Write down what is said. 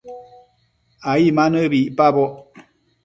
ai ma nëbi icpaboc